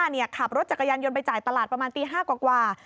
คุณป้านี่ขับรถจักรยันยนต์ไปจ่ายตลาดประมาณตี๕กว่า